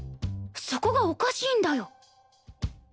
そこがおかしいんだよ！